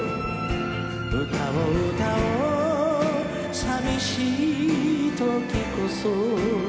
「歌を歌おう寂しいときこそ」